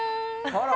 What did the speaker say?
あら！